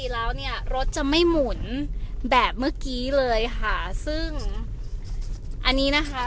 แล้วเนี่ยรถจะไม่หมุนแบบเมื่อกี้เลยค่ะซึ่งอันนี้นะคะ